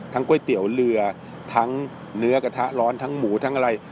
ก๋วยเตี๋ยวเรือทั้งเนื้อกระทะร้อนทั้งหมูทั้งอะไร